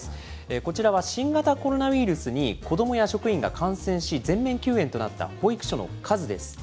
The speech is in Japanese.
こちらは、新型コロナウイルスに子どもや職員が感染し、全面休園となった保育所の数です。